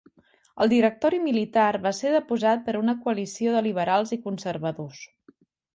El directori militar va ser deposat per una coalició de liberals i conservadors.